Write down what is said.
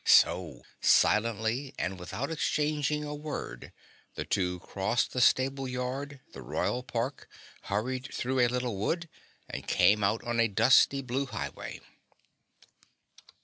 So, silently and without exchanging a word, the two crossed the stable yard, the Royal Park, hurried through a little wood, and came out on a dusty blue Highway.